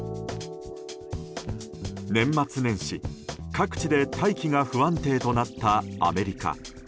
年末年始、各地で大気が不安定となったアメリカ。